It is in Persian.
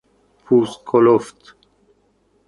پوستکلفت